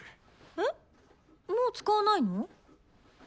えっもう使わないの？